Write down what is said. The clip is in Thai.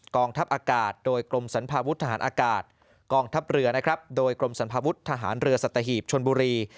กองทัพอากาศโดยกรมสันพวุทธหารอากาศกองทัพเรือโดยกรมสันพวุทธหารเรือสัตว์หีบชนบุรี